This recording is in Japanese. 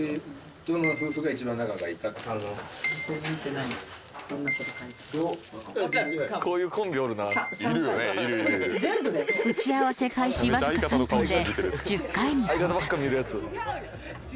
何これ⁉［打ち合わせ開始わずか３分で１０回に到達］